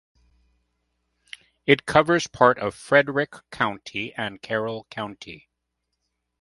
It covers parts of Frederick County and Carroll County.